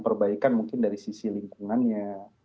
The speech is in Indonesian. perbaikan mungkin dari sisi lingkungannya